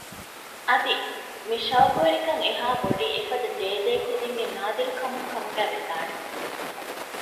އަދި މި ޝައުޤުވެރިކަން އެހާ ބޮޑީ އެފަދަ ދޭދޭ ކުދިންގެ ނާދިރު ކަމުން ކަމުގައި ވެދާނެ